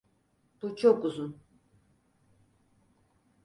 Bu çok uzun.